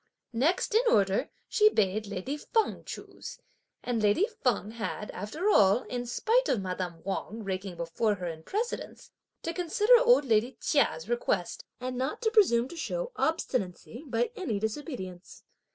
Next in order, she bade lady Feng choose, and lady Feng, had, after all, in spite of madame Wang ranking before her in precedence, to consider old lady Chia's request, and not to presume to show obstinacy by any disobedience.